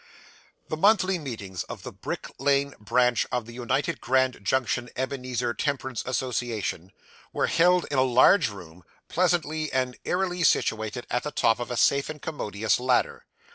The monthly meetings of the Brick Lane Branch of the United Grand Junction Ebenezer Temperance Association were held in a large room, pleasantly and airily situated at the top of a safe and commodious ladder.